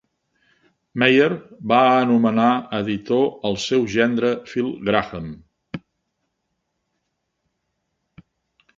Meyer va anomenar editor el seu gendre, Phil Graham.